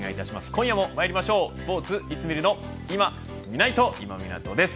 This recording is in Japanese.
今夜もまいりましょうスポーツいつ見るの今見ないと、今湊です。